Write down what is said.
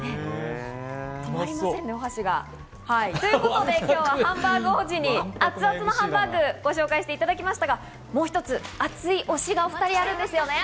止まりませんね、お箸が。ということで今日はハンバーグ王子に熱々のハンバーグを紹介していただきましたが、もう一つ、熱い推しがお２人にはあるんですよね？